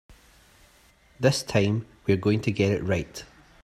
This time we're going to get it right.